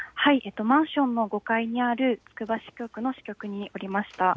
マンションの５階にあるつくば支局の支局におりました。